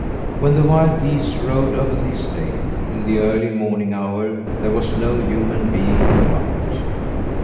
When the wild geese rode over the estate in the early morning hour there was no human being about.